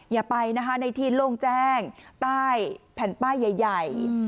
อย่าไปนะคะในที่โล่งแจ้งใต้แผ่นป้ายใหญ่